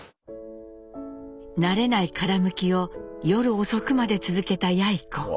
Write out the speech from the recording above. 慣れない殻むきを夜遅くまで続けたやい子。